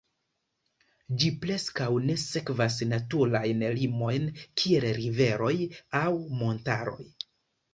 Ĝi preskaŭ ne sekvas naturajn limojn kiel riveroj aŭ montaroj.